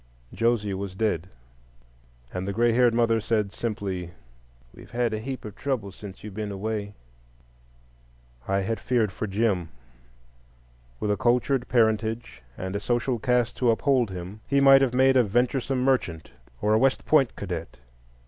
Josie was dead, and the gray haired mother said simply, "We've had a heap of trouble since you've been away." I had feared for Jim. With a cultured parentage and a social caste to uphold him, he might have made a venturesome merchant or a West Point cadet.